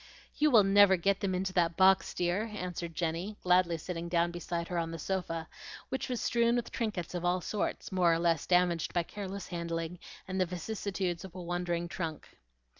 "You will never get them into that box, dear," answered Jenny, gladly sitting down beside her on the sofa, which was strewn with trinkets of all sorts, more or less damaged by careless handling, and the vicissitudes of a wandering trunk.